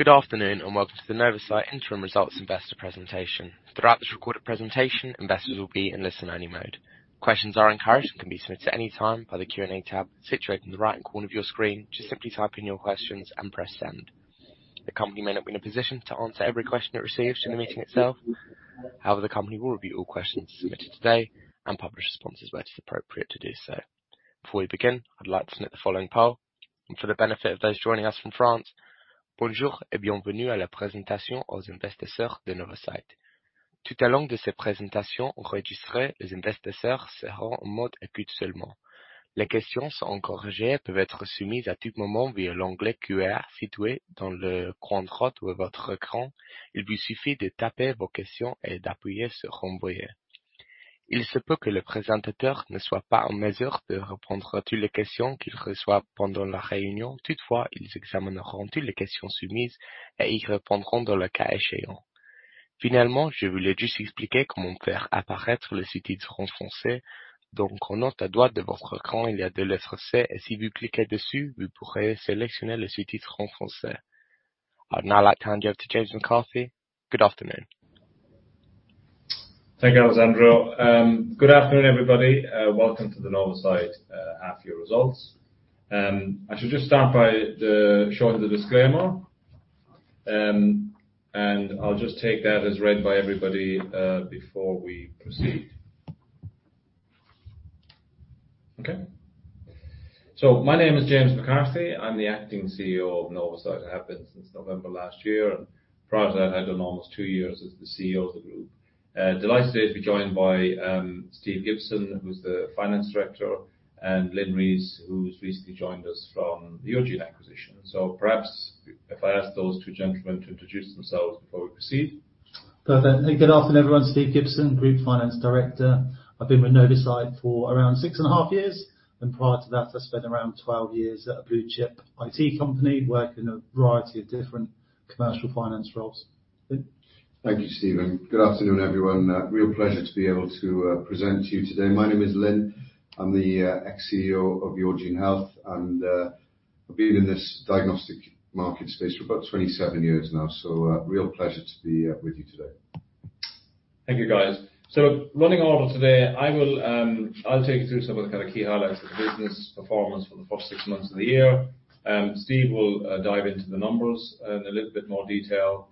Good afternoon, and welcome to the Novacyt Interim Results Investor Presentation. Throughout this recorded presentation, investors will be in listen-only mode. Questions are encouraged and can be submitted at any time by the Q&A tab situated in the right corner of your screen. Just simply type in your questions and press Send. The company may not be in a position to answer every question it receives in the meeting itself. However, the company will review all questions submitted today and publish responses where it is appropriate to do so. Before we begin, I'd like to note the following poll. For the benefit of those joining us from France: I'd now like to hand you over to James McCarthy. Good afternoon. Thank you, Alessandro. Good afternoon, everybody. Welcome to the Novacyt half year results. I should just start by showing the disclaimer. I'll just take that as read by everybody before we proceed. Okay. My name is James McCarthy. I'm the acting CEO of Novacyt, and have been since November last year. Prior to that, I had done almost two years as the CEO of the group. Delighted today to be joined by Steve Gibson, who's the finance director, and Lyn Rees, who's recently joined us from the Yourgene acquisition. Perhaps if I ask those two gentlemen to introduce themselves before we proceed. Perfectly. Good afternoon, everyone. Steve Gibson, Group Finance Director. I've been with Novacyt for around six and a half years, and prior to that, I spent around 12 years at a blue chip IT company, working in a variety of different commercial finance roles. Lyn? Thank you, Steve, and good afternoon, everyone. Real pleasure to be able to present to you today. My name is Lyn. I'm the ex-CEO of Yourgene Health, and I've been in this diagnostic market space for about 27 years now. So, real pleasure to be with you today. Thank you, guys. So running over today, I'll take you through some of the kind of key highlights of the business performance for the first six months of the year. Steve will dive into the numbers in a little bit more detail.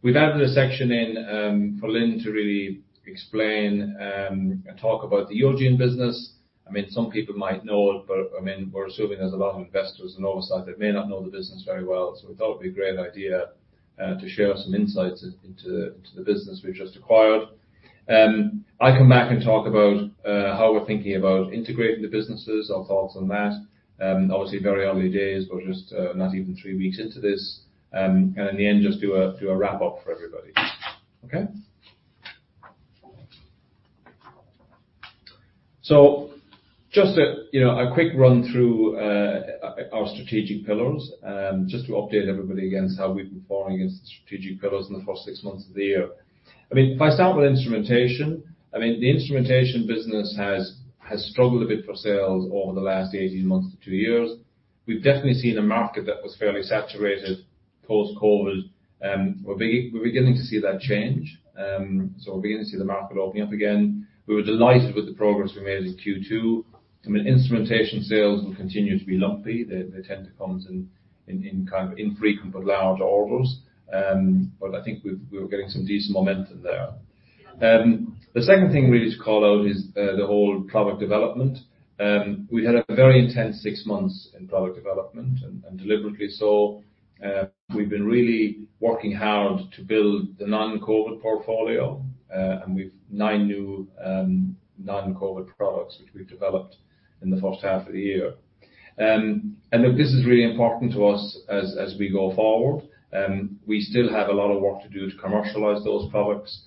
We've added a section in for Lyn to really explain and talk about the Yourgene business. I mean, some people might know it, but, I mean, we're assuming there's a lot of investors in Novacyt that may not know the business very well, so we thought it'd be a great idea to share some insights into the business we've just acquired. I'll come back and talk about how we're thinking about integrating the businesses, our thoughts on that. Obviously very early days. We're just not even three weeks into this. And in the end, just do a wrap up for everybody. Okay? So just a, you know, a quick run through our strategic pillars, just to update everybody against how we've been performing against the strategic pillars in the first six months of the year. I mean, if I start with instrumentation, I mean, the instrumentation business has struggled a bit for sales over the last 18 months to two years. We've definitely seen a market that was fairly saturated post-COVID, we're beginning to see that change. So we're beginning to see the market opening up again. We were delighted with the progress we made in Q2. I mean, instrumentation sales will continue to be lumpy. They tend to come in kind of infrequent but large orders. But I think we were getting some decent momentum there. The second thing really to call out is the whole product development. We've had a very intense six months in product development and deliberately so. We've been really working hard to build the non-COVID portfolio, and we've nine new non-COVID products, which we've developed in the first half of the year. And look, this is really important to us as we go forward, we still have a lot of work to do to commercialize those products.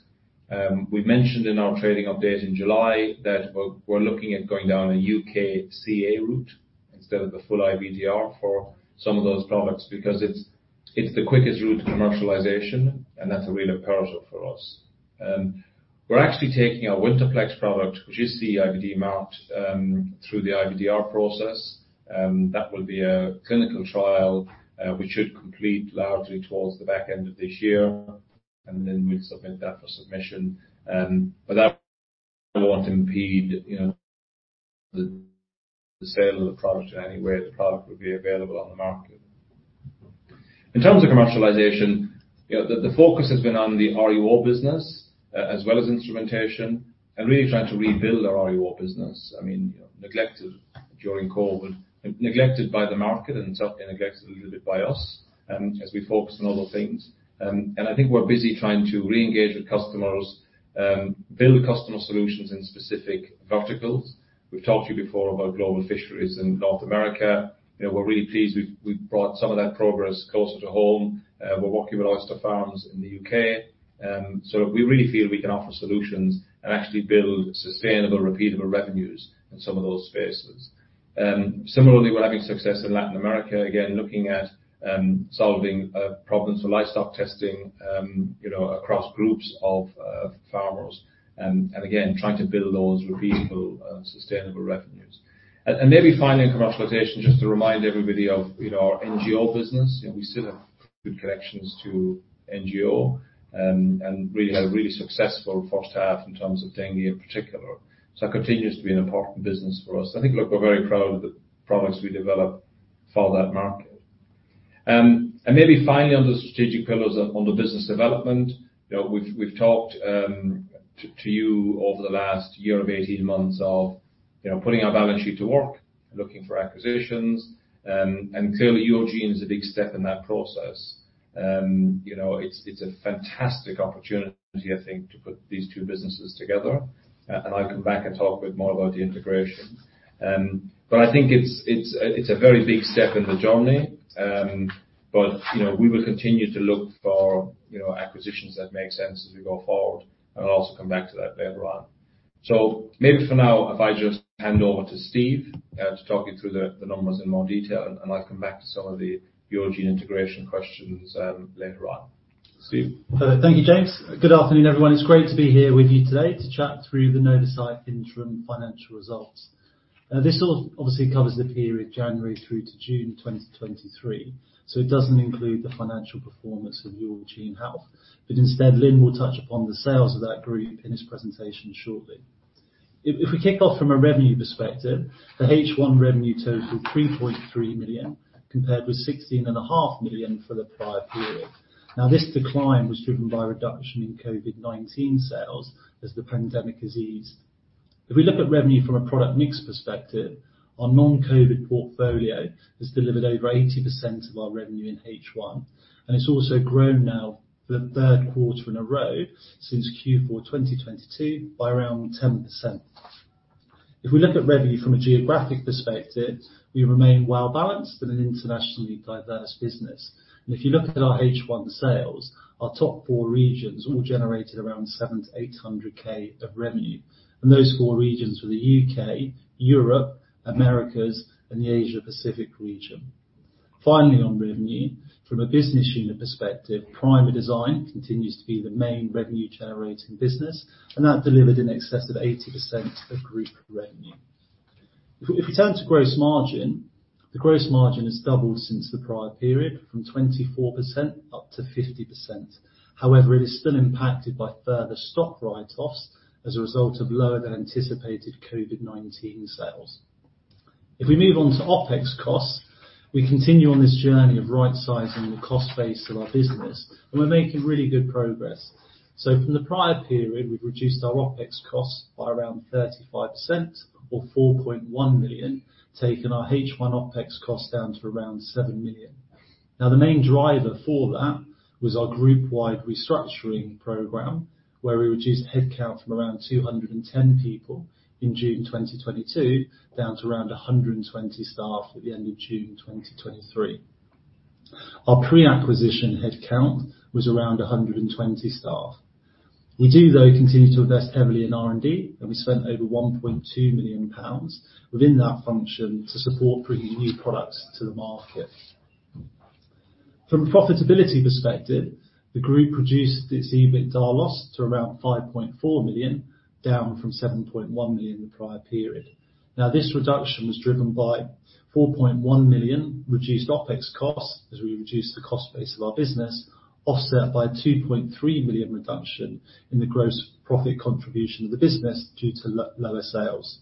We've mentioned in our trading update in July that we're looking at going down a UKCA route instead of the full IVDR for some of those products, because it's the quickest route to commercialization, and that's a real imperative for us. We're actually taking our Winterplex product, which is the IVD mark, through the IVDR process, that will be a clinical trial, which should complete largely towards the back end of this year, and then we'd submit that for submission. But that won't impede, you know, the sale of the product in any way. The product will be available on the market. In terms of commercialization, you know, the focus has been on the RUO business, as well as instrumentation, and really trying to rebuild our RUO business. I mean, you know, neglected during COVID, neglected by the market and certainly neglected a little bit by us, as we focus on other things. And I think we're busy trying to re-engage with customers, build customer solutions in specific verticals. We've talked to you before about global fisheries in North America. You know, we're really pleased we've brought some of that progress closer to home. We're working with oyster farms in the U.K., so we really feel we can offer solutions and actually build sustainable, repeatable revenues in some of those spaces. Similarly, we're having success in Latin America, again, looking at solving problems for livestock testing, you know, across groups of farmers, and again, trying to build those repeatable sustainable revenues. And maybe finally in commercialization, just to remind everybody of, you know, our NGO business, and we still have good connections to NGO, and really had a really successful first half in terms of dengue, in particular. So that continues to be an important business for us. I think, look, we're very proud of the products we develop for that market. And maybe finally, on the strategic pillars, on the business development, you know, we've talked to you over the last year or eighteen months of, you know, putting our balance sheet to work, looking for acquisitions, and clearly, Yourgene is a big step in that process. You know, it's a fantastic opportunity, I think, to put these two businesses together, and I'll come back and talk a bit more about the integration. But I think it's a very big step in the journey, but, you know, we will continue to look for, you know, acquisitions that make sense as we go forward, and I'll also come back to that later on. So maybe for now, if I just hand over to Steve to talk you through the numbers in more detail, and I'll come back to some of the Yourgene integration questions later on. Steve? Thank you, James. Good afternoon, everyone. It's great to be here with you today to chat through the Novacyt interim financial results. This all obviously covers the period January through to June 2023, so it doesn't include the financial performance of Yourgene Health, but instead, Lyn will touch upon the sales of that group in his presentation shortly. If we kick off from a revenue perspective, the H1 revenue totaled 3.3 million, compared with 16.5 million for the prior period. Now, this decline was driven by a reduction in COVID-19 sales as the pandemic has eased. If we look at revenue from a product mix perspective, our non-COVID portfolio has delivered over 80% of our revenue in H1, and it's also grown now for the third quarter in a row since Q4 2022, by around 10%. If we look at revenue from a geographic perspective, we remain well-balanced in an internationally diverse business. If you look at our H1 sales, our top four regions all generated around 700,000-800,000 of revenue, and those four regions were the UK, Europe, Americas, and the Asia Pacific region. Finally, on revenue, from a business unit perspective, Primerdesign continues to be the main revenue-generating business, and that delivered in excess of 80% of group revenue. If we, if we turn to gross margin, the gross margin has doubled since the prior period, from 24% up to 50%. However, it is still impacted by further stock write-offs as a result of lower than anticipated COVID-19 sales. If we move on to OpEx costs, we continue on this journey of right-sizing the cost base of our business, and we're making really good progress. So from the prior period, we've reduced our OpEx costs by around 35% or 4.1 million, taking our H1 OpEx cost down to around 7 million. Now, the main driver for that was our group-wide restructuring program, where we reduced headcount from around 210 people in June 2022, down to around 120 staff at the end of June 2023. Our pre-acquisition headcount was around 120 staff. We do, though, continue to invest heavily in R&D, and we spent over 1.2 million pounds within that function to support bringing new products to the market. From a profitability perspective, the group reduced its EBITDA loss to around 5.4 million, down from 7.1 million in the prior period. Now, this reduction was driven by 4.1 million reduced OpEx costs, as we reduced the cost base of our business, offset by a 2.3 million reduction in the gross profit contribution of the business due to lower sales.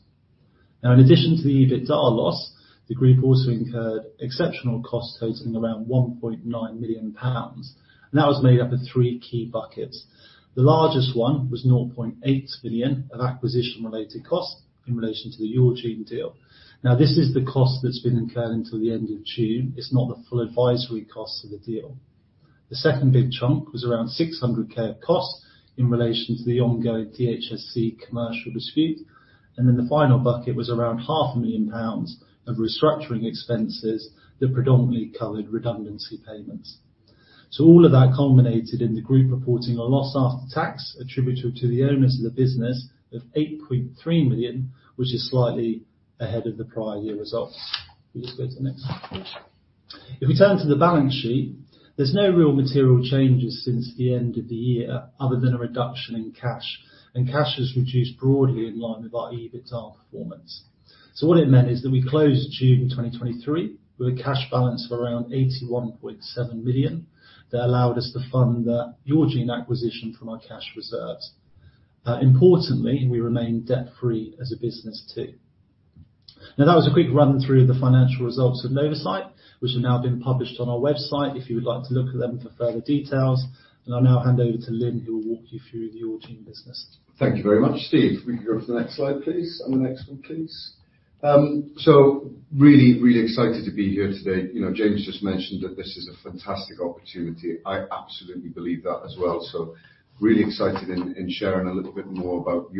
Now, in addition to the EBITDA loss, the group also incurred exceptional costs totaling around 1.9 million pounds. That was made up of three key buckets. The largest one was 0.8 million of acquisition-related costs in relation to the Yourgene deal. Now, this is the cost that's been incurred until the end of June. It's not the full advisory cost of the deal. The second big chunk was around 600k of costs in relation to the ongoing DHSC commercial dispute, and then the final bucket was around 0.5 million pounds of restructuring expenses that predominantly covered redundancy payments. So all of that culminated in the group reporting a loss after tax attributable to the owners of the business of 8.3 million, which is slightly ahead of the prior year results. Can you just go to the next slide? If we turn to the balance sheet, there's no real material changes since the end of the year, other than a reduction in cash, and cash has reduced broadly in line with our EBITDA performance. So what it meant is that we closed June 2023 with a cash balance of around 81.7 million. That allowed us to fund the Yourgene acquisition from our cash reserves. Importantly, we remain debt-free as a business, too. Now, that was a quick run-through of the financial results of Novacyt, which have now been published on our website, if you would like to look at them for further details. I'll now hand over to Lyn, who will walk you through the Yourgene business. Thank you very much, Steve. We can go to the next slide, please, and the next one, please. So really, really excited to be here today. You know, James just mentioned that this is a fantastic opportunity. I absolutely believe that as well. So really excited in sharing a little bit more about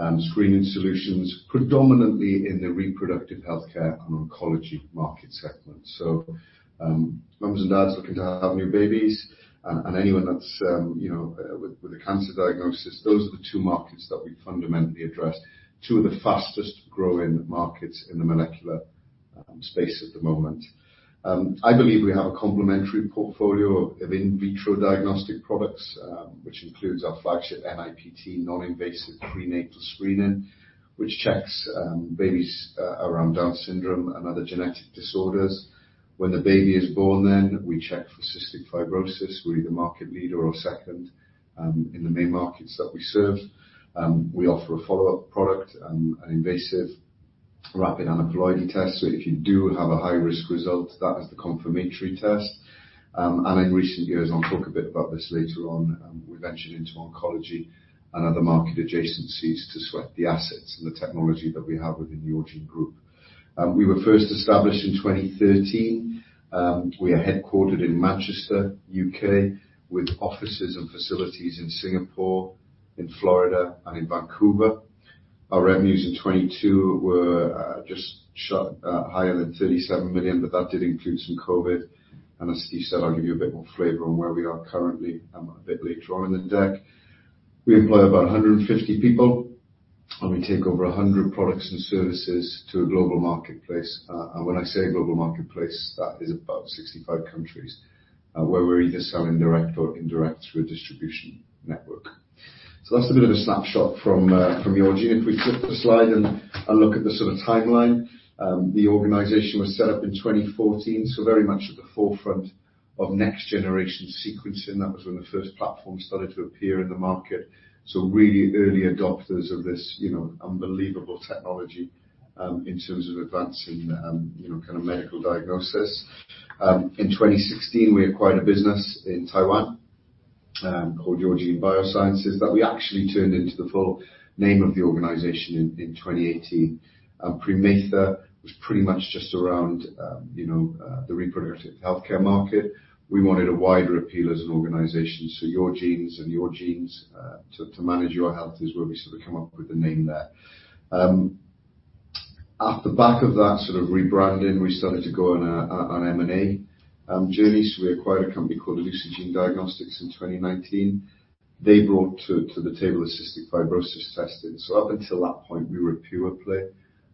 Yourgene, who we are, what we do, and what you can expect from us as shareholders moving forward. So Yourgene's an integrated technologies and services for genomic medicine. What does that mean? It means we develop, we manufacture, and we take to market molecular diagnostic tests and screening solutions, predominantly in the reproductive healthcare and oncology market segment. So, moms and dads looking to have new babies and anyone that's, you know, with a cancer diagnosis, those are the two markets that we fundamentally address. Two of the fastest-growing markets in the molecular diagnostic-... space at the moment. I believe we have a complementary portfolio of in vitro diagnostic products, which includes our flagship NIPT, non-invasive prenatal screening, which checks babies around Down syndrome and other genetic disorders. When the baby is born, then we check for cystic fibrosis. We're either market leader or second in the main markets that we serve. We offer a follow-up product, an invasive, rapid aneuploidy test. So if you do have a high-risk result, that is the confirmatory test. And in recent years, and I'll talk a bit about this later on, we ventured into oncology and other market adjacencies to sweat the assets and the technology that we have within the Yourgene group. We were first established in 2013. We are headquartered in Manchester, UK, with offices and facilities in Singapore, in Florida, and in Vancouver. Our revenues in 2022 were just shy higher than 37 million, but that did include some COVID. And as Steve said, I'll give you a bit more flavor on where we are currently, a bit later on in the deck. We employ about 150 people, and we take over 100 products and services to a global marketplace. And when I say global marketplace, that is about 65 countries, where we're either selling direct or indirect through a distribution network. So that's a bit of a snapshot from Yourgene. If we flip the slide and look at the sort of timeline, the organization was set up in 2014, so very much at the forefront of next-generation sequencing. That was when the first platform started to appear in the market. So really early adopters of this, you know, unbelievable technology, in terms of advancing, you know, kind of medical diagnosis. In 2016, we acquired a business in Taiwan, called Yourgene Biosciences, that we actually turned into the full name of the organization in 2018. And Premaitha was pretty much just around, you know, the reproductive healthcare market. We wanted a wider appeal as an organization, so Yourgene and Yourgene to manage your health is where we sort of come up with the name there. At the back of that sort of rebranding, we started to go on a M&A journey. So we acquired a company called Elucigene Diagnostics in 2019. They brought to the table a cystic fibrosis testing. So up until that point, we were a pure play.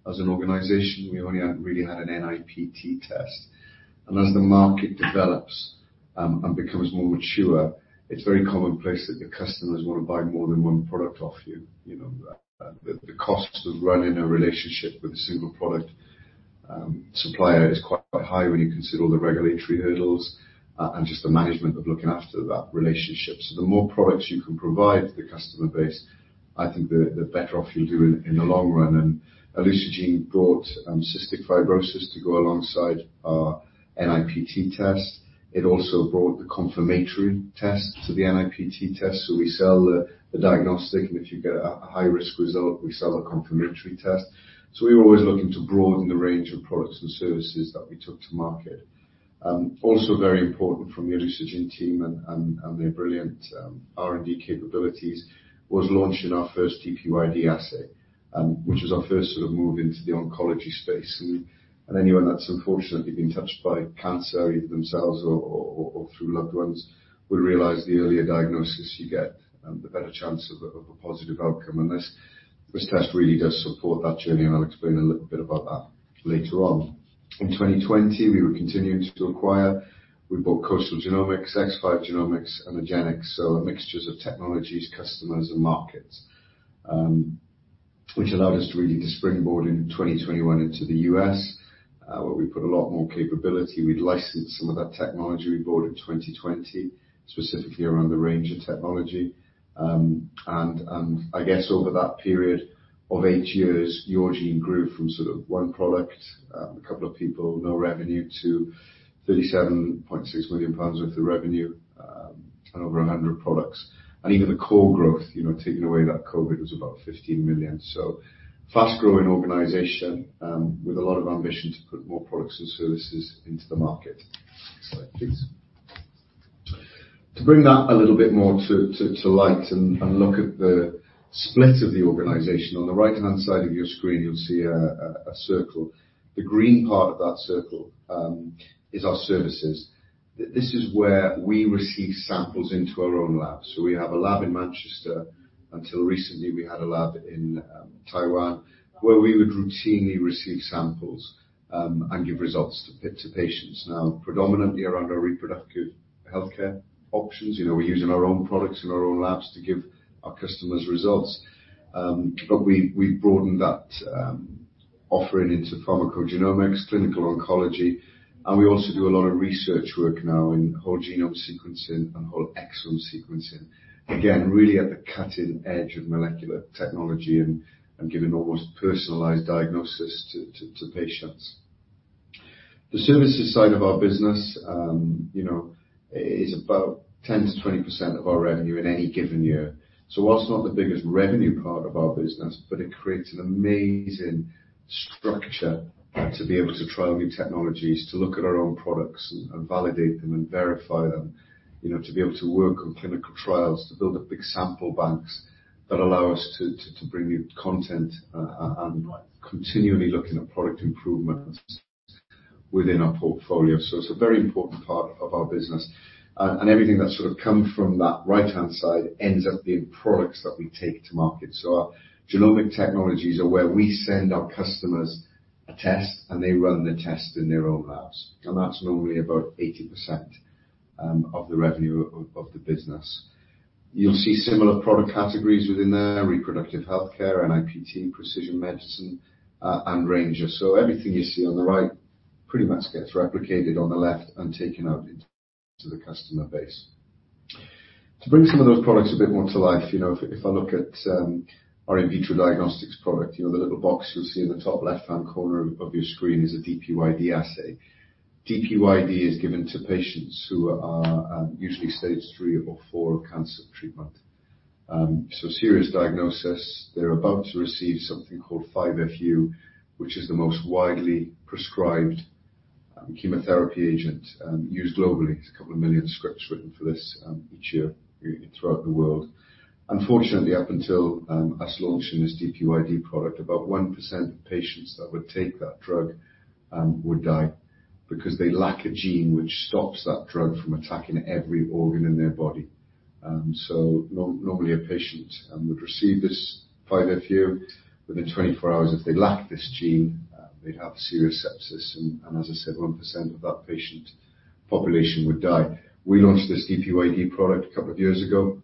As an organization, we only really had an NIPT test. And as the market develops and becomes more mature, it's very commonplace that the customers wanna buy more than one product off you. You know, the costs of running a relationship with a single product supplier is quite high when you consider all the regulatory hurdles and just the management of looking after that relationship. So the more products you can provide to the customer base, I think the better off you'll do in the long run. And Elucigene brought cystic fibrosis to go alongside our NIPT test. It also brought the confirmatory test to the NIPT test. So we sell the diagnostic, and if you get a high-risk result, we sell a confirmatory test. So we're always looking to broaden the range of products and services that we took to market. Also very important from the Elucigene team and their brilliant R&D capabilities was launching our first DPYD assay, which is our first sort of move into the oncology space. And anyone that's unfortunately been touched by cancer, either themselves or through loved ones, will realize the earlier diagnosis you get, the better chance of a positive outcome. And this test really does support that journey, and I'll explain a little bit about that later on. In 2020, we were continuing to acquire. We bought Coastal Genomics, Ex5 Genomics, and Agenix. So mixtures of technologies, customers, and markets, which allowed us to really just springboard in 2021 into the U.S., where we put a lot more capability. We'd licensed some of that technology we bought in 2020, specifically around the Ranger technology. And I guess over that period of eight years, Yourgene grew from sort of one product, a couple of people, no revenue, to 37.6 million pounds worth of revenue, and over 100 products. And even the core growth, you know, taking away that COVID was about 15 million. So fast-growing organization, with a lot of ambition to put more products and services into the market. Next slide, please. To bring that a little bit more to light and look at the split of the organization, on the right-hand side of your screen, you'll see a circle. The green part of that circle is our services. This is where we receive samples into our own labs. So we have a lab in Manchester. Until recently, we had a lab in Taiwan, where we would routinely receive samples and give results to patients. Now, predominantly around our reproductive healthcare options, you know, we're using our own products in our own labs to give our customers results. But we, we've broadened that offering into pharmacogenomics, clinical oncology, and we also do a lot of research work now in whole genome sequencing and whole exome sequencing. Again, really at the cutting edge of molecular technology and giving almost personalized diagnosis to patients. The services side of our business, you know, is about 10%-20% of our revenue in any given year. While not the biggest revenue part of our business, but it creates an amazing structure to be able to try new technologies, to look at our own products, and validate them and verify them. You know, to be able to work on clinical trials, to build up big sample banks that allow us to bring new content, and continually looking at product improvements within our portfolio. It's a very important part of our business, and everything that sort of comes from that right-hand side ends up being products that we take to market. Our genomic technologies are where we send our customers a test, and they run the test in their own labs, and that's normally about 80% of the revenue of the business. You'll see similar product categories within there, reproductive healthcare, NIPT, precision medicine, and Ranger. So everything you see on the right pretty much gets replicated on the left and taken out into the customer base. To bring some of those products a bit more to life, you know, if I look at our in vitro diagnostics product, you know, the little box you'll see in the top left-hand corner of your screen is a DPYD assay. DPYD is given to patients who are usually stage three or four of cancer treatment. So serious diagnosis, they're about to receive something called 5-FU, which is the most widely prescribed chemotherapy agent used globally. There's a couple of million scripts written for this each year throughout the world. Unfortunately, up until us launching this DPYD product, about 1% of patients that would take that drug would die because they lack a gene which stops that drug from attacking every organ in their body. So normally, a patient would receive this 5-FU within 24 hours. If they lack this gene, they'd have serious sepsis, and as I said, 1% of that patient population would die. We launched this DPYD product a couple of years ago.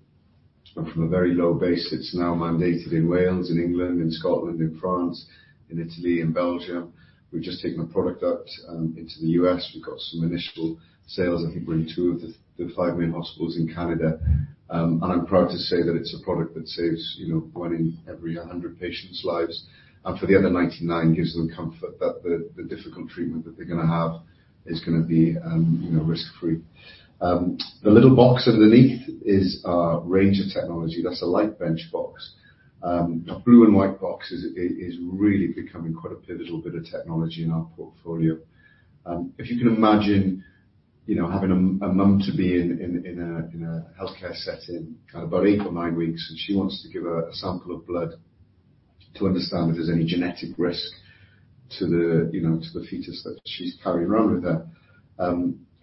It's gone from a very low base. It's now mandated in Wales, in England, in Scotland, in France, in Italy, in Belgium. We've just taken the product out into the U.S. We've got some initial sales. I think we're in two of the five main hospitals in Canada. And I'm proud to say that it's a product that saves, you know, 1 in every 100 patients' lives, and for the other 99, gives them comfort that the, the difficult treatment that they're gonna have is gonna be, you know, risk-free. The little box underneath is our Ranger technology. That's a LightBench box. The blue and white box is, is, is really becoming quite a pivotal bit of technology in our portfolio. If you can imagine, you know, having a, a mum to be in, in, in a, in a healthcare setting, kind of about 8 or 9 weeks, and she wants to give a, a sample of blood to understand if there's any genetic risk to the, you know, to the fetus that she's carrying around with her.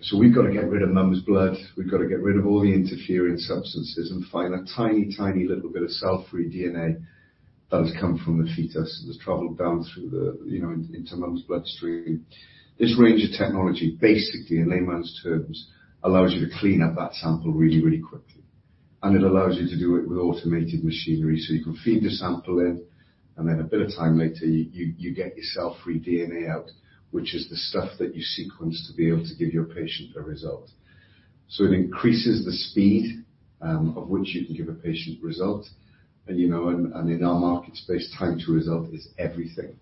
So we've got to get rid of mum's blood. We've got to get rid of all the interfering substances and find a tiny, tiny little bit of cell-free DNA that has come from the fetus, that's traveled down through the, you know, into mum's bloodstream. This Ranger technology, basically, in layman's terms, allows you to clean up that sample really, really quickly. And it allows you to do it with automated machinery, so you can feed the sample in, and then a bit of time later, you get your cell-free DNA out, which is the stuff that you sequence to be able to give your patient a result. So it increases the speed of which you can give a patient result, and, you know, and, and in our market space, time to result is everything.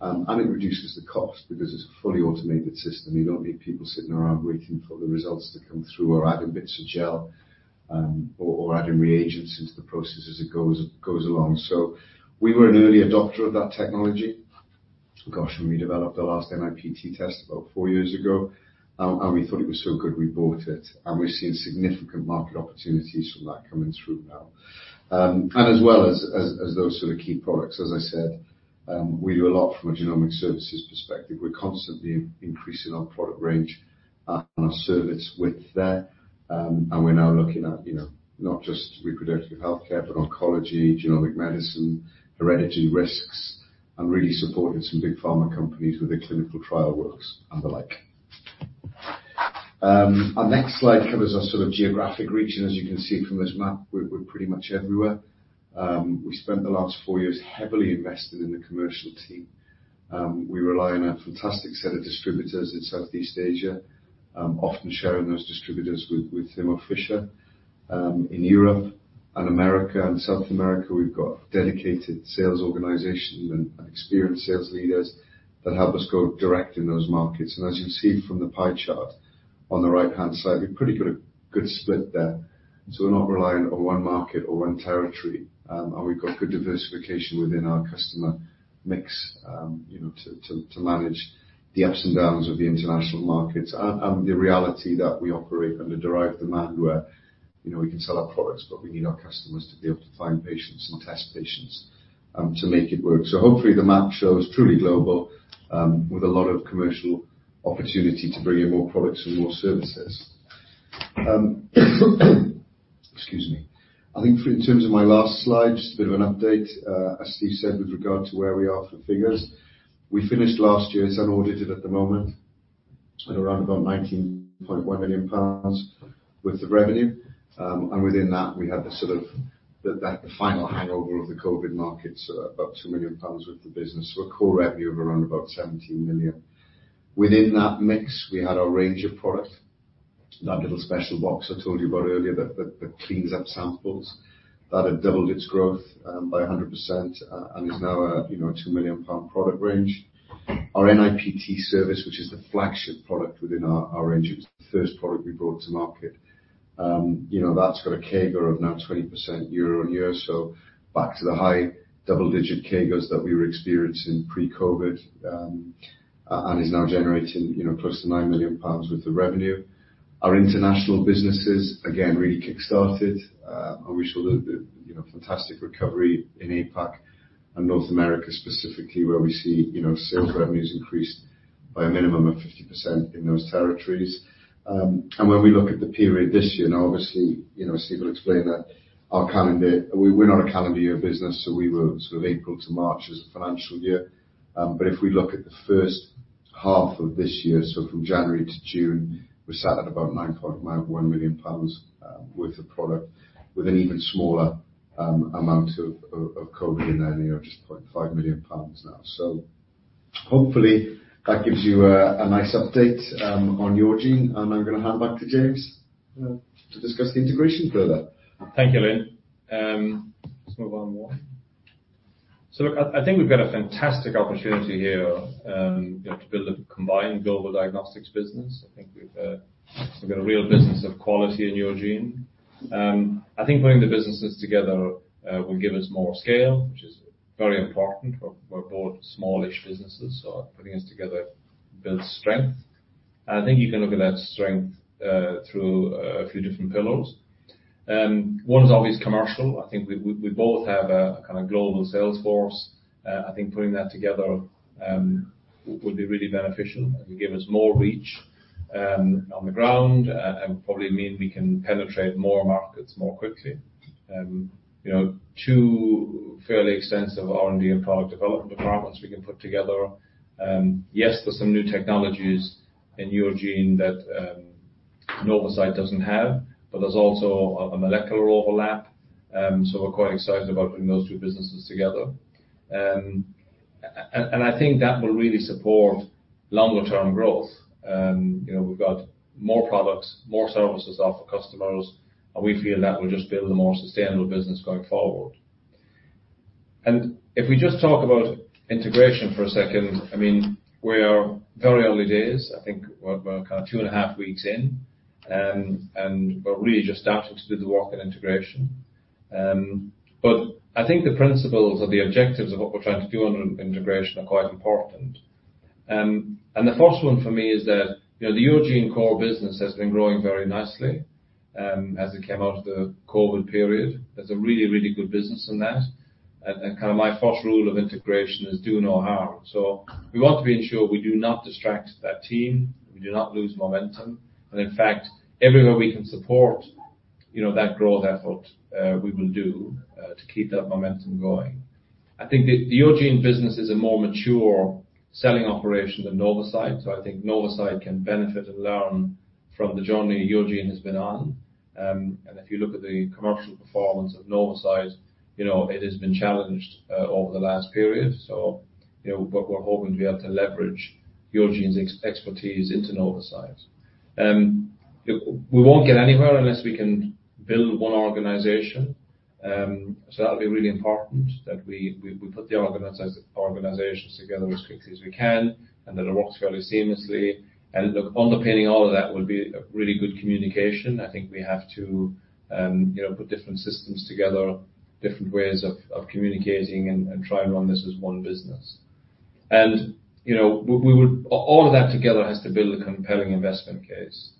And it reduces the cost because it's a fully automated system. You don't need people sitting around waiting for the results to come through or adding bits of gel, or adding reagents into the process as it goes along. So we were an early adopter of that technology. Gosh, when we developed the last NIPT test about 4 years ago, and we thought it was so good, we bought it, and we've seen significant market opportunities from that coming through now. And as well as those sort of key products, as I said, we do a lot from a genomic services perspective. We're constantly increasing our product range and our service width there. And we're now looking at, you know, not just reproductive healthcare, but oncology, genomic medicine, hereditary risks, and really supporting some big pharma companies with their clinical trial works and the like. Our next slide covers our sort of geographic reach, and as you can see from this map, we're pretty much everywhere. We spent the last four years heavily investing in the commercial team. We rely on a fantastic set of distributors in Southeast Asia, often sharing those distributors with Thermo Fisher. In Europe and America and South America, we've got dedicated sales organizations and experienced sales leaders that help us go direct in those markets. As you can see from the pie chart on the right-hand side, we've pretty got a good split there. So we're not reliant on one market or one territory, and we've got good diversification within our customer mix, you know, to manage the ups and downs of the international markets and the reality that we operate under derived demand, where, you know, we can sell our products, but we need our customers to be able to find patients and test patients, to make it work. So hopefully, the map shows truly global, with a lot of commercial opportunity to bring in more products and more services. Excuse me. I think in terms of my last slide, just a bit of an update, as Steve said, with regard to where we are for figures. We finished last year, it's unaudited at the moment, at around about 19.1 million pounds worth of revenue. And within that, we had sort of the final hangover of the COVID markets, about 2 million pounds worth of business, so a core revenue of around about 17 million. Within that mix, we had our Ranger product, that little special box I told you about earlier, that cleans up samples. That had doubled its growth by 100%, and is now, you know, a 2 million pound product range. Our NIPT service, which is the flagship product within our range, it's the first product we brought to market. You know, that's got a CAGR of now 20% year-on-year, so back to the high double-digit CAGRs that we were experiencing pre-COVID, and is now generating, you know, close to 9 million pounds worth of revenue. Our international businesses, again, really kick-started, and we saw the you know, fantastic recovery in APAC and North America specifically, where we see, you know, sales revenues increased by a minimum of 50% in those territories. And when we look at the period this year, and obviously, you know, Steve will explain that our calendar year. We, we're not a calendar year business, so we were sort of April to March as a financial year. But if we look at the first half of this year, so from January to June, we sat at about 9.91 million pounds worth of product, with an even smaller amount of COVID in there, you know, just 0.5 million pounds now. So hopefully, that gives you a nice update on Yourgene, and I'm gonna hand back to James to discuss the integration further. Thank you, Lyn. Let's move on more. So look, I think we've got a fantastic opportunity here, you know, to build a combined global diagnostics business. I think we've got a real business of quality in Yourgene. I think bringing the businesses together will give us more scale, which is very important. We're both smallish businesses, so putting us together builds strength. I think you can look at that strength through a few different pillars. One is obviously commercial. I think we both have a kind of global sales force. I think putting that together would be really beneficial. It will give us more reach on the ground, and probably mean we can penetrate more markets more quickly. You know, too fairly extensive R&D and product development departments we can put together. Yes, there's some new technologies in Yourgene that Novacyt doesn't have, but there's also a molecular overlap. So we're quite excited about putting those two businesses together. And I think that will really support longer-term growth. You know, we've got more products, more services to offer customers, and we feel that will just build a more sustainable business going forward. And if we just talk about integration for a second, I mean, we are very early days. I think we're kind of two and a half weeks in, and we're really just starting to do the work in integration. But I think the principles or the objectives of what we're trying to do on integration are quite important. And the first one for me is that, you know, the Yourgene core business has been growing very nicely, as it came out of the COVID period. There's a really, really good business in that, and, and kind of my first rule of integration is do no harm. So we want to ensure we do not distract that team, we do not lose momentum, and in fact, everywhere we can support, you know, that growth effort, we will do, to keep that momentum going. I think the, the Yourgene business is a more mature selling operation than Novacyt, so I think Novacyt can benefit and learn from the journey Yourgene has been on. And if you look at the commercial performance of Novacyt, you know, it has been challenged, over the last period. So, you know, but we're hoping to be able to leverage Yourgene's expertise into Novacyt. We won't get anywhere unless we can build one organization. So that'll be really important, that we put the organizations together as quickly as we can, and that it works fairly seamlessly. And look, underpinning all of that will be a really good communication. I think we have to, you know, put different systems together, different ways of communicating and try and run this as one business. And, you know, we would all of that together has to build a compelling investment case.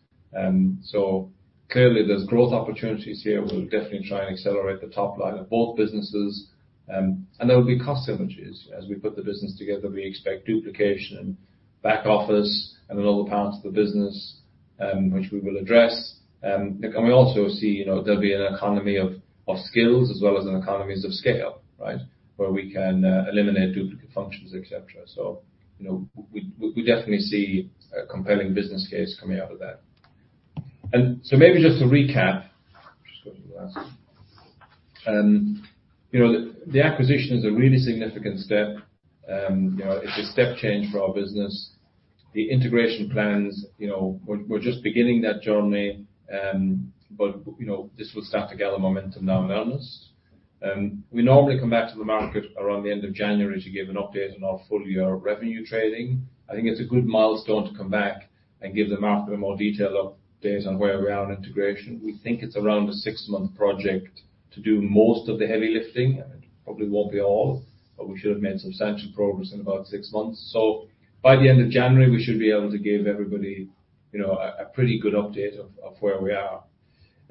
So clearly, there's growth opportunities here. We'll definitely try and accelerate the top line of both businesses. And there will be cost synergies. As we put the business together, we expect duplication in back office and in all the parts of the business, which we will address. And we also see, you know, there'll be an economy of skills as well as an economies of scale, right? Where we can eliminate duplicate functions, et cetera. So, you know, we definitely see a compelling business case coming out of that. And so maybe just to recap, you know, the acquisition is a really significant step. You know, it's a step change for our business. The integration plans, you know, we're just beginning that journey. But, you know, this will start to gather momentum now around us. We normally come back to the market around the end of January to give an update on our full year of revenue trading. I think it's a good milestone to come back and give the market a more detailed update on where we are on integration. We think it's around a 6-month project to do most of the heavy lifting, and it probably won't be all, but we should have made substantial progress in about 6 months. So by the end of January, we should be able to give everybody, you know, a pretty good update of where we are.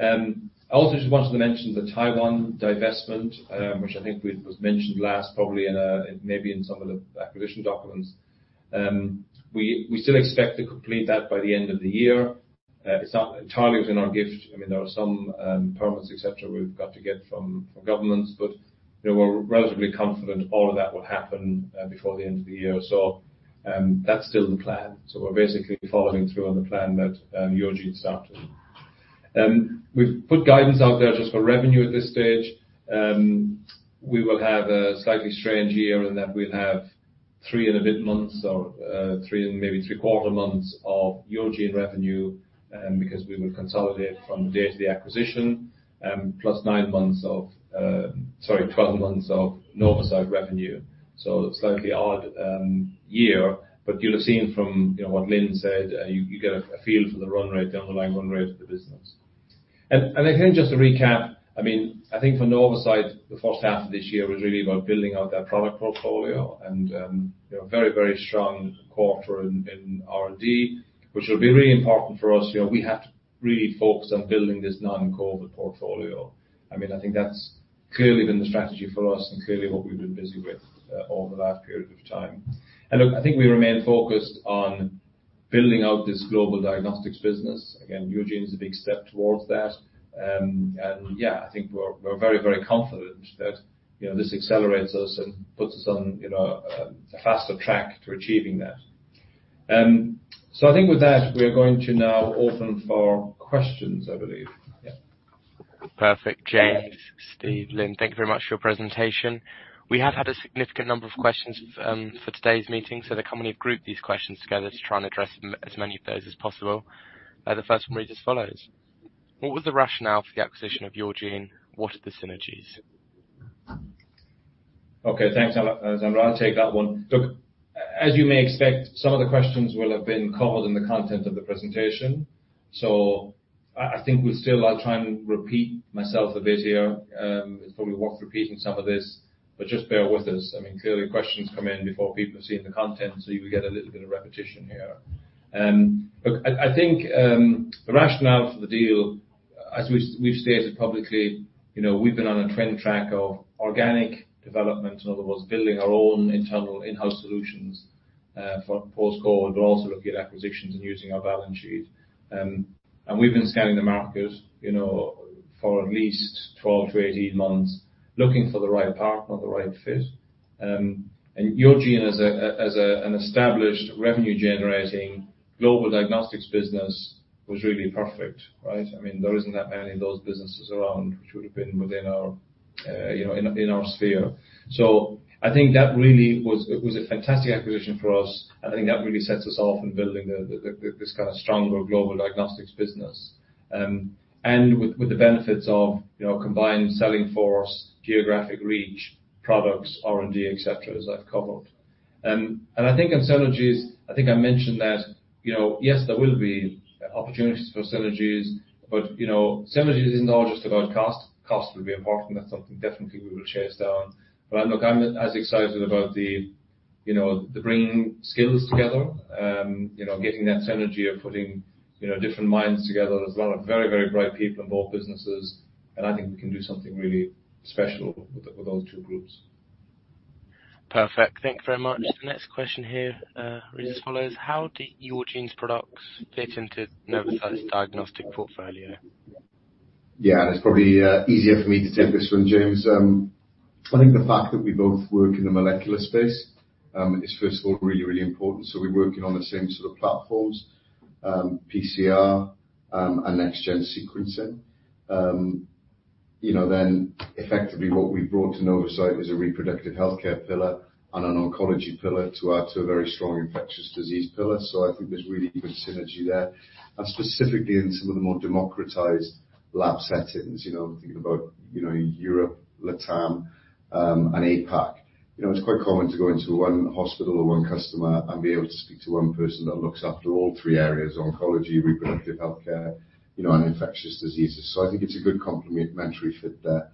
I also just wanted to mention the Taiwan divestment, which I think was mentioned last, probably in, maybe in some of the acquisition documents. We still expect to complete that by the end of the year. It's not entirely in our gift. I mean, there are some permits, et cetera, we've got to get from governments, but, you know, we're relatively confident all of that will happen before the end of the year. So, that's still the plan. So we're basically following through on the plan that Yourgene started. We've put guidance out there just for revenue at this stage. We will have a slightly strange year in that we'll have 3 and a bit months or 3 and maybe three quarter months of Yourgene revenue because we will consolidate from the date of the acquisition plus 9 months of—sorry, 12 months of Novacyt revenue. So a slightly odd year, but you'll have seen from, you know, what Lyn said, you get a feel for the run rate, the underlying run rate of the business. I think just to recap, I mean, I think for Novacyt, the first half of this year was really about building out their product portfolio and, you know, very, very strong quarter in R&D, which will be really important for us. You know, we have to really focus on building this non-COVID portfolio. I mean, I think that's clearly been the strategy for us and clearly what we've been busy with, over the last period of time. And look, I think we remain focused on building out this global diagnostics business. Again, Yourgene is a big step towards that. And yeah, I think we're very, very confident that, you know, this accelerates us and puts us on, you know, a faster track to achieving that. So I think with that, we are going to now open for questions, I believe. Yeah. Perfect. James, Steve, Lyn, thank you very much for your presentation. We have had a significant number of questions for today's meeting, so the company have grouped these questions together to try and address them, as many of those as possible. The first one reads as follows: What was the rationale for the acquisition of Yourgene? What are the synergies? Okay, thanks, I'll take that one. Look, as you may expect, some of the questions will have been covered in the content of the presentation, so I think we'll still, I'll try and repeat myself a bit here. It's probably worth repeating some of this, but just bear with us. I mean, clearly, questions come in before people have seen the content, so you will get a little bit of repetition here. Look, I think the rationale for the deal, as we've stated publicly, you know, we've been on a trend track of organic development. In other words, building our own internal in-house solutions for post-COVID, but also looking at acquisitions and using our balance sheet. And we've been scanning the market, you know, for at least 12-18 months, looking for the right partner, the right fit. And Yourgene as an established revenue-generating global diagnostics business was really perfect, right? I mean, there isn't that many of those businesses around, which would have been within our, you know, our sphere. So I think that really was, it was a fantastic acquisition for us. I think that really sets us off in building this kind of stronger global diagnostics business. And with the benefits of, you know, combined selling force, geographic reach, products, R&D, et cetera, as I've covered. And I think on synergies, I think I mentioned that, yes, there will be opportunities for synergies, but, you know, synergies isn't all just about cost. Cost will be important, that's something definitely we will chase down. But look, I'm as excited about the, you know, the bringing skills together, you know, getting that synergy of putting, you know, different minds together. There's a lot of very, very bright people in both businesses, and I think we can do something really special with, with those two groups. Perfect. Thank you very much. Next question here, reads as follows: How do Yourgene's products fit into Novacyt's diagnostic portfolio? Yeah, and it's probably easier for me to take this one, James. I think the fact that we both work in the molecular space is first of all, really, really important. So we're working on the same sort of platforms, PCR, and next-gen sequencing. You know, then effectively what we've brought to Novacyt is a reproductive healthcare pillar and an oncology pillar to add to a very strong infectious disease pillar. So I think there's really good synergy there. And specifically in some of the more democratized lab settings, you know, thinking about, you know, Europe, LATAM, and APAC. You know, it's quite common to go into one hospital or one customer and be able to speak to one person that looks after all three areas: oncology, reproductive healthcare, you know, and infectious diseases. So I think it's a good complementary fit there.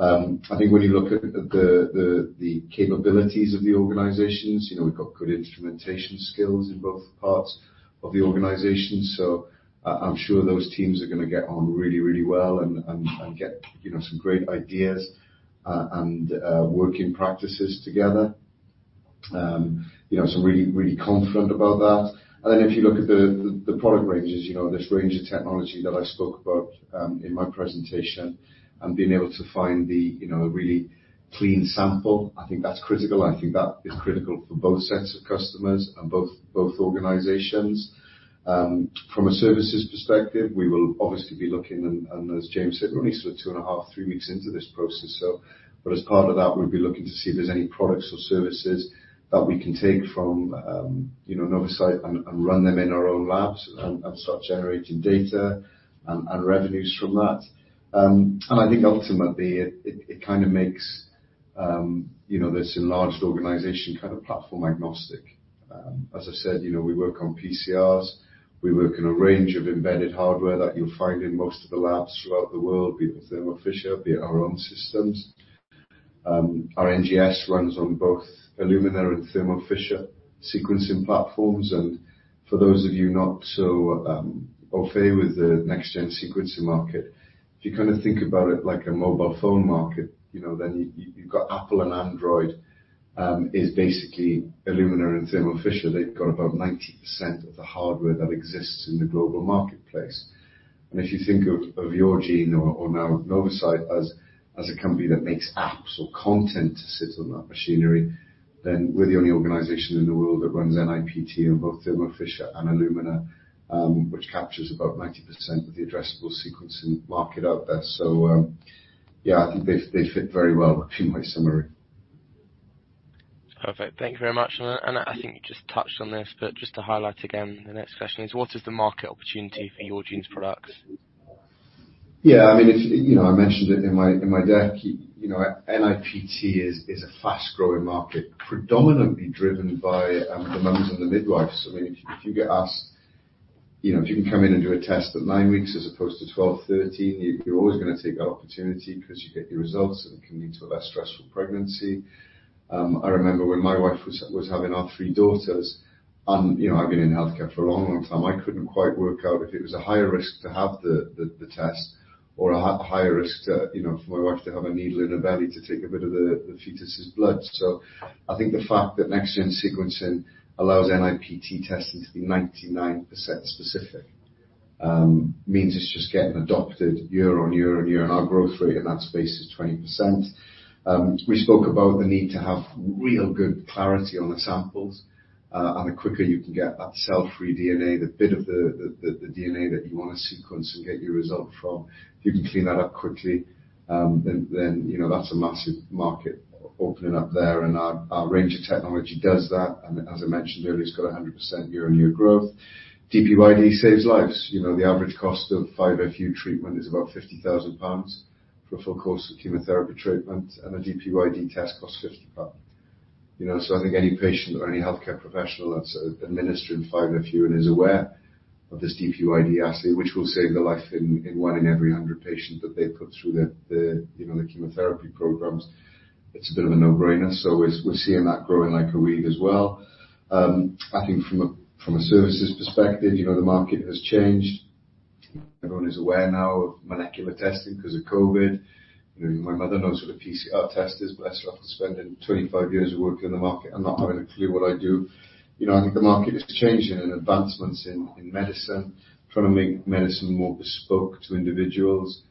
I think when you look at the capabilities of the organizations, you know, we've got good instrumentation skills in both parts of the organization, so I'm sure those teams are gonna get on really, really well and get, you know, some great ideas and working practices together. You know, so I'm really, really confident about that. And then if you look at the product ranges, you know, this range of technology that I spoke about in my presentation, and being able to find, you know, a really clean sample, I think that's critical. I think that is critical for both sets of customers and both organizations. From a services perspective, we will obviously be looking and, as James said, we're only sort of 2.5-3 weeks into this process, so... But as part of that, we'll be looking to see if there's any products or services that we can take from, you know, Novacyt and run them in our own labs and start generating data and revenues from that. And I think ultimately, it kind of makes, you know, this enlarged organization kind of platform agnostic. As I said, you know, we work on PCRs, we work in a range of embedded hardware that you'll find in most of the labs throughout the world, be it Thermo Fisher, be it our own systems. Our NGS runs on both Illumina and Thermo Fisher sequencing platforms. For those of you not so au fait with the next-gen sequencing market, if you kind of think about it like a mobile phone market, you know, then you, you've got Apple and Android is basically Illumina and Thermo Fisher. They've got about 90% of the hardware that exists in the global marketplace. And if you think of Yourgene or now Novacyt as a company that makes apps or content to sit on that machinery, then we're the only organization in the world that runs NIPT on both Thermo Fisher and Illumina, which captures about 90% of the addressable sequencing market out there. So, yeah, I think they fit very well, in my summary. Perfect. Thank you very much. And I think you just touched on this, but just to highlight again, the next question is: What is the market opportunity for Yourgene's products? Yeah, I mean, if you know, I mentioned it in my deck, you know, NIPT is a fast-growing market, predominantly driven by the mums and the midwives. I mean, if you get asked you know, if you can come in and do a test at nine weeks as opposed to 12, 13, you're always gonna take that opportunity 'cause you get your results, and it can lead to a less stressful pregnancy. I remember when my wife was having our three daughters, and you know, I've been in healthcare for a long, long time. I couldn't quite work out if it was a higher risk to have the test or a higher risk to you know, for my wife to have a needle in her belly to take a bit of the fetus's blood. So I think the fact that next-gen sequencing allows NIPT testing to be 99% specific means it's just getting adopted year-on-year, and our growth rate in that space is 20%. We spoke about the need to have real good clarity on the samples. And the quicker you can get that cell-free DNA, the bit of the DNA that you wanna sequence and get your result from, if you can clean that up quickly, you know, that's a massive market opening up there. And our Ranger technology does that, and as I mentioned earlier, it's got 100% year-on-year growth. DPYD saves lives. You know, the average cost of 5-FU treatment is about 50,000 pounds for a full course of chemotherapy treatment, and a DPYD test costs 50 pounds. You know, so I think any patient or any healthcare professional that's administering 5-FU and is aware of this DPYD assay, which will save the life in one in every 100 patients that they put through the you know, the chemotherapy programs, it's a bit of a no-brainer. So we're, we're seeing that growing like a weed as well. I think from a services perspective, you know, the market has changed. Everyone is aware now of molecular testing 'cause of COVID. You know, my mother knows what a PCR test is, bless her, after spending 25 years working in the market and not having a clue what I do. You know, I think the market is changing and advancements in medicine, trying to make medicine more bespoke to individuals,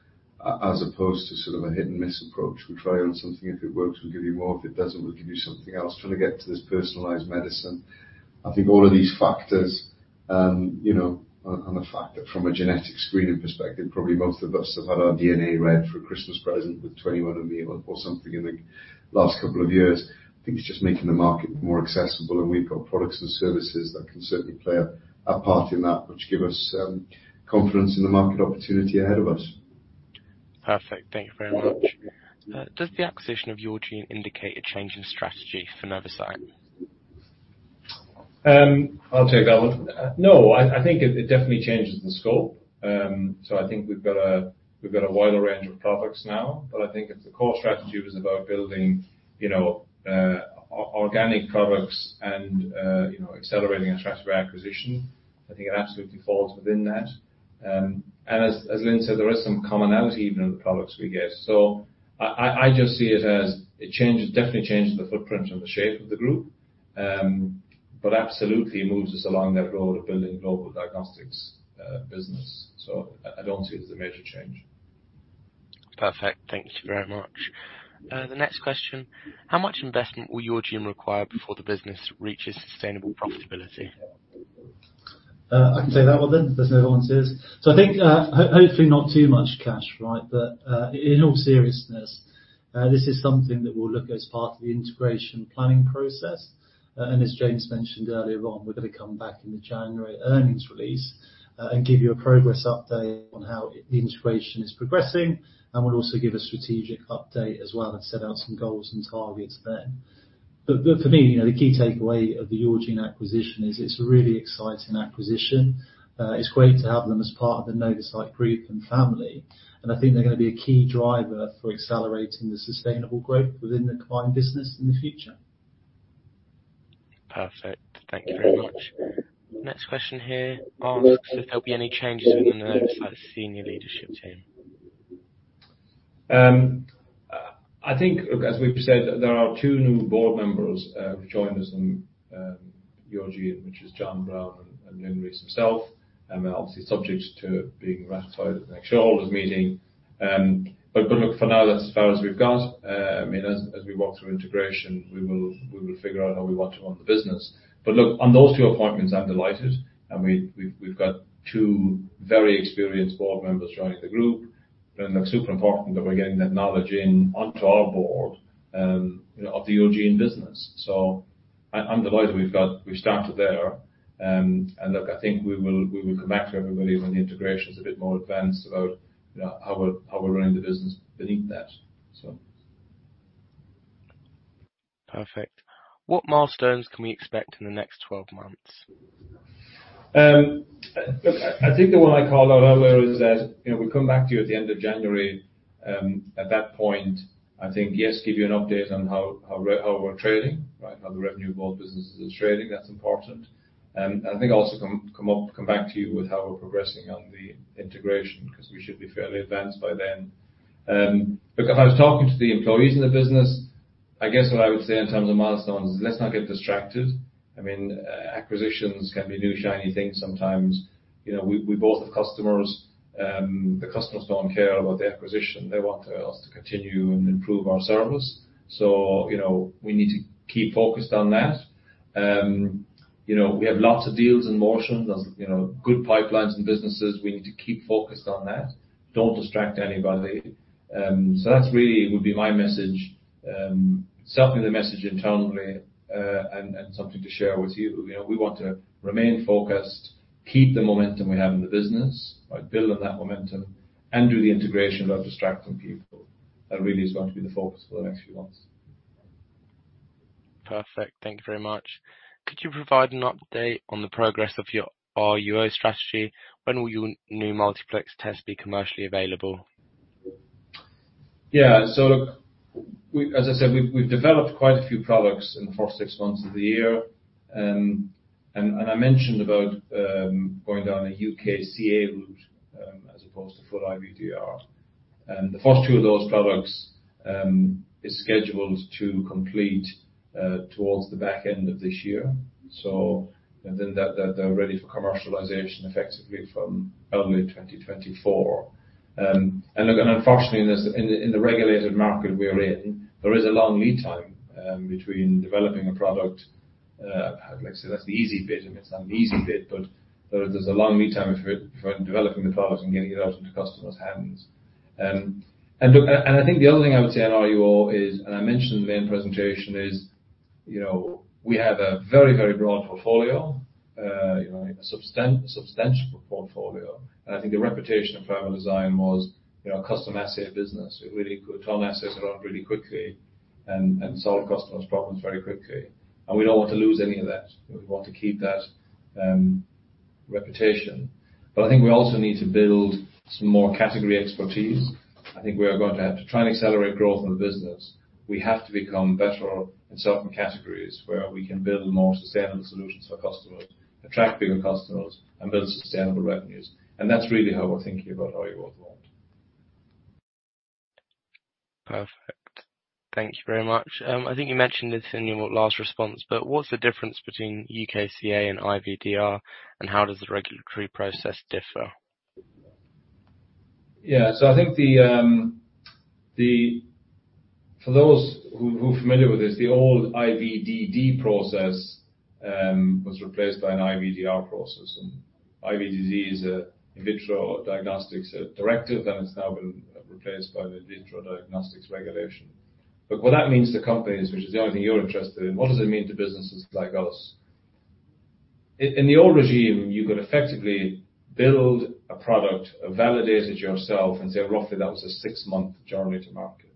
as opposed to sort of a hit-and-miss approach. We try on something, if it works, we'll give you more. If it doesn't, we'll give you something else. Trying to get to this personalized medicine. I think all of these factors, you know, and the fact that from a genetic screening perspective, probably most of us have had our DNA read for a Christmas present with 23andMe or something in the last couple of years. I think it's just making the market more accessible, and we've got products and services that can certainly play a part in that, which give us confidence in the market opportunity ahead of us. Perfect. Thank you very much. Does the acquisition of Yourgene indicate a change in strategy for Novacyt? I'll take that one. No, I think it definitely changes the scope. So I think we've got a wider range of products now, but I think if the core strategy was about building, you know, organic products and, you know, accelerating attractive acquisition, I think it absolutely falls within that. And as Lyn said, there is some commonality even in the products we get. So I just see it as it changes... Definitely changes the footprint and the shape of the group, but absolutely moves us along that road of building global diagnostics business. So I don't see it as a major change. Perfect. Thank you very much. The next question: How much investment will Yourgene require before the business reaches sustainable profitability? I can take that one then, if no one is. So I think, hopefully not too much cash, right? But, in all seriousness, this is something that we'll look as part of the integration planning process. And as James mentioned earlier on, we're gonna come back in the January earnings release, and give you a progress update on how the integration is progressing. And we'll also give a strategic update as well, and set out some goals and targets then. But, but for me, you know, the key takeaway of the Yourgene acquisition is it's a really exciting acquisition. It's great to have them as part of the Novacyt group and family, and I think they're gonna be a key driver for accelerating the sustainable growth within the combined business in the future. Perfect. Thank you very much. Next question here asks if there'll be any changes in the Novacyt senior leadership team. I think as we've said, there are two new board members who joined us from Yourgene, which is John Brown and Lyn Rees herself, obviously subject to being ratified at the next shareholders' meeting. But look, for now, that's as far as we've got. I mean, as we walk through integration, we will figure out how we want to run the business. But look, on those two appointments, I'm delighted, and we've got two very experienced board members joining the group, and they're super important that we're getting that knowledge in onto our board, you know, of the Yourgene business. So I'm delighted we've got we've started there. Look, I think we will come back to everybody when the integration is a bit more advanced about, you know, how we're running the business beneath that, so. Perfect. What milestones can we expect in the next 12 months? Look, I think the one I call out earlier is that, you know, we come back to you at the end of January. At that point, I think, yes, give you an update on how we're trading, right? How the revenue of both businesses is trading. That's important. I think also come back to you with how we're progressing on the integration, 'cause we should be fairly advanced by then. Look, I was talking to the employees in the business. I guess what I would say in terms of milestones is let's not get distracted. I mean, acquisitions can be new, shiny things sometimes. You know, we both have customers. The customers don't care about the acquisition. They want us to continue and improve our service. So, you know, we need to keep focused on that. You know, we have lots of deals in motion. There's, you know, good pipelines and businesses. We need to keep focused on that. Don't distract anybody. So that's really would be my message, certainly the message internally, and, and something to share with you. You know, we want to remain focused, keep the momentum we have in the business, right? Build on that momentum and do the integration without distracting people. That really is going to be the focus for the next few months.... Perfect. Thank you very much. Could you provide an update on the progress of your RUO strategy? When will your new multiplex test be commercially available? Yeah. So look, we, as I said, we've developed quite a few products in the first six months of the year. And I mentioned about going down a UKCA route as opposed to full IVDR. The first two of those products is scheduled to complete towards the back end of this year. So, and then that they're ready for commercialization effectively from early 2024. And look, unfortunately, in the regulated market we're in, there is a long lead time between developing a product. Like I said, that's the easy bit, and it's not an easy bit, but there's a long lead time for developing the product and getting it out into customers' hands. I think the other thing I would say on RUO is, and I mentioned in the main presentation, you know, we have a very, very broad portfolio, you know, a substantial portfolio. And I think the reputation of Primerdesign was, you know, a custom assay business. We really could turn assets around really quickly and solve customers' problems very quickly. And we don't want to lose any of that. We want to keep that reputation. But I think we also need to build some more category expertise. I think we are going to have to try and accelerate growth in the business. We have to become better in certain categories where we can build more sustainable solutions for customers, attract bigger customers, and build sustainable revenues. And that's really how we're thinking about RUO as well. Perfect. Thank you very much. I think you mentioned this in your last response, but what's the difference between UKCA and IVDR, and how does the regulatory process differ? Yeah. So I think the—for those who are familiar with this, the old IVDD process was replaced by an IVDR process, and IVDD is an in vitro diagnostics directive, and it's now been replaced by the in vitro diagnostics regulation. But what that means to companies, which is the only thing you're interested in, what does it mean to businesses like us? In the old regime, you could effectively build a product, validate it yourself, and say, roughly, that was a 6-month journey to market.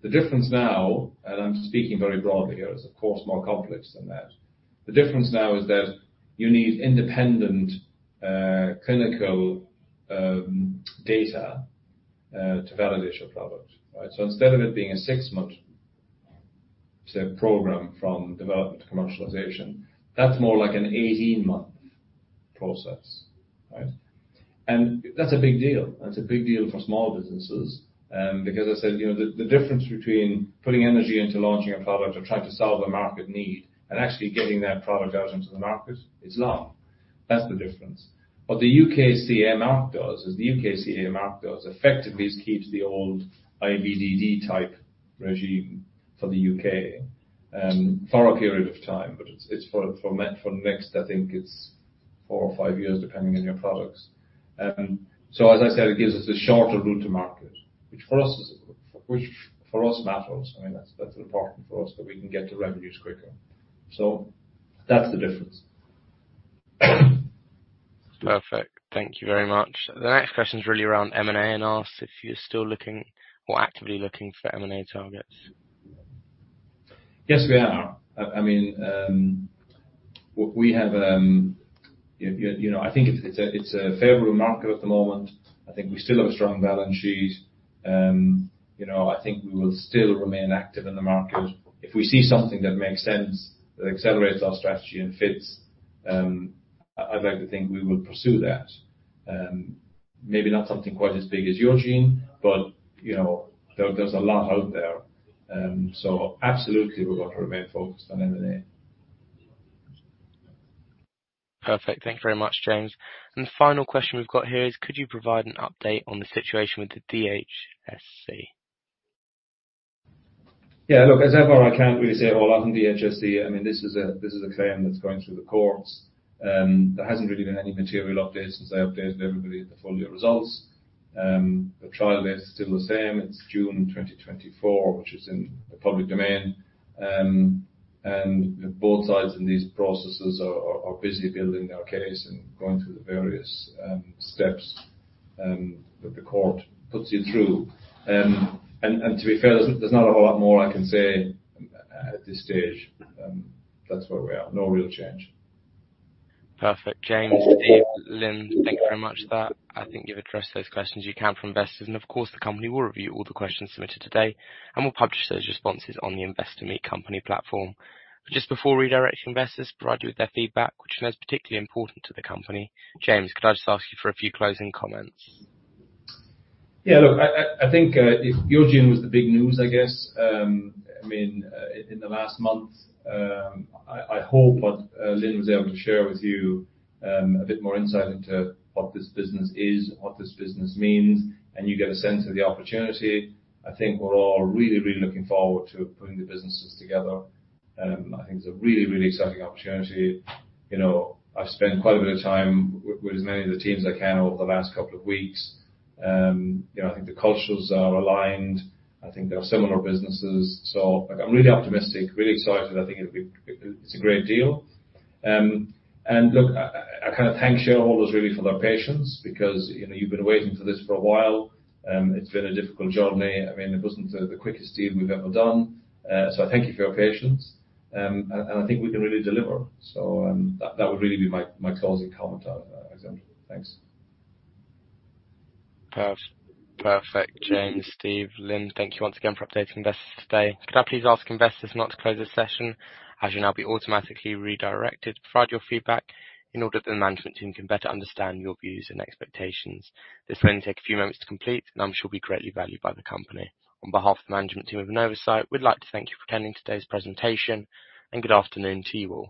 The difference now, and I'm speaking very broadly here, it's of course more complex than that. The difference now is that you need independent clinical data to validate your product, right? So instead of it being a 6-month, say, program from development to commercialization, that's more like an 18-month process, right? That's a big deal. That's a big deal for small businesses, because I said, you know, the difference between putting energy into launching a product or trying to solve a market need and actually getting that product out into the market is long. That's the difference. What the UKCA mark does, is the UKCA mark does effectively is keeps the old IVDD-type regime for the UK, for a period of time, but it's for me—for the next, I think it's four or five years, depending on your products. So as I said, it gives us a shorter route to market, which for us is... Which for us matters. I mean, that's important for us, so we can get to revenues quicker. So that's the difference. Perfect. Thank you very much. The next question is really around M&A and asks if you're still looking or actively looking for M&A targets. Yes, we are. I mean, what we have, you know, I think it's a favorable market at the moment. I think we still have a strong balance sheet. You know, I think we will still remain active in the market. If we see something that makes sense, that accelerates our strategy and fits, I'd like to think we will pursue that. Maybe not something quite as big as Yourgene, but, you know, there, there's a lot out there. So absolutely, we're going to remain focused on M&A. Perfect. Thank you very much, James. The final question we've got here is, could you provide an update on the situation with the DHSC? Yeah, look, as ever, I can't really say a whole lot on DHSC. I mean, this is a claim that's going through the courts. There hasn't really been any material update since I updated everybody at the full year results. The trial date is still the same. It's June 2024, which is in the public domain. And both sides in these processes are busy building their case and going through the various steps that the court puts you through. And to be fair, there's not a whole lot more I can say at this stage. That's where we are. No real change. Perfect. James, Steve, Lyn, thank you very much for that. I think you've addressed those questions you can for investors, and of course, the company will review all the questions submitted today, and we'll publish those responses on the Investor Meet Company platform. Just before we redirect investors, provide you with their feedback, which is particularly important to the company, James, could I just ask you for a few closing comments? Yeah, look, I think if Yourgene was the big news, I guess, I mean, in the last month, I hope what Lyn was able to share with you a bit more insight into what this business is, what this business means, and you get a sense of the opportunity. I think we're all really, really looking forward to putting the businesses together. I think it's a really, really exciting opportunity. You know, I've spent quite a bit of time with as many of the teams as I can over the last couple of weeks. You know, I think the cultures are aligned. I think they are similar businesses, so I'm really optimistic, really excited. I think it'll be... It's a great deal. And look, I kind of thank shareholders really for their patience, because, you know, you've been waiting for this for a while. It's been a difficult journey. I mean, it wasn't the quickest deal we've ever done. So I thank you for your patience. And I think we can really deliver. So, that would really be my closing comment on that, as example. Thanks. Perfect. Perfect, James, Steve, Lyn, thank you once again for updating investors today. Could I please ask investors not to close this session, as you'll now be automatically redirected to provide your feedback in order that the management team can better understand your views and expectations. This will only take a few moments to complete, and I'm sure will be greatly valued by the company. On behalf of the management team of Novacyt, we'd like to thank you for attending today's presentation, and good afternoon to you all.